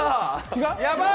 違う？